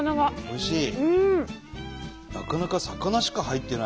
おいしい？